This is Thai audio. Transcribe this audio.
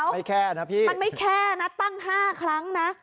ไม่แค่นะพี่มันไม่แค่นะตั้ง๕ครั้งนะ